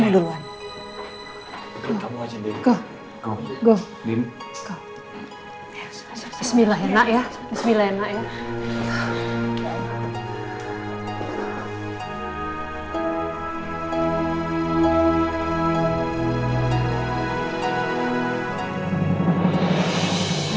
bismillah enak ya bismillah enak ya